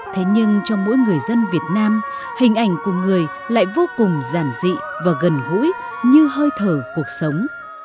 thế nhưng trong mỗi người dân việt nam hình ảnh của người lại vô cùng giản dị và gần gũi như hơi thở cuộc sống